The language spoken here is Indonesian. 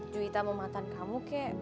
juwita mau mantan kamu kek